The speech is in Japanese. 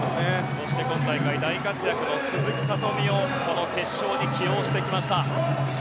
そして今大会大活躍の鈴木聡美をこの決勝に起用してきました。